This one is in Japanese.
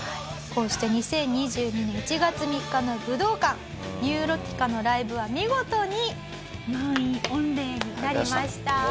こうして２０２２年１月３日の武道館ニューロティカのライブは見事に満員御礼になりました。